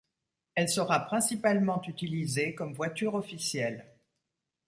Elle sera principalement utilisée comme voiture officielle.